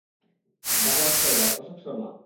The white tiger, Ashok Sharma.